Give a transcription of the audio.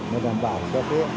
mà đảm bảo cho cái